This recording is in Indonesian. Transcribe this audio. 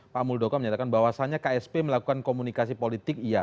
pak muldoko menyatakan bahwasannya ksp melakukan komunikasi politik iya